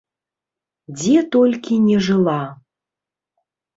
Дзе толькі не жыла!